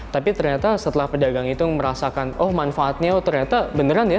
tapi ternyata setelah pedagang itu merasakan oh manfaatnya ternyata beneran ya